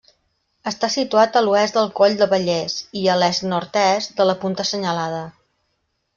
Està situat a l'oest del Coll d'Abellers i a l'est-nord-est de la Punta Senyalada.